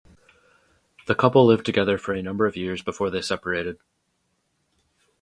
The couple lived together for a number of years before they separated.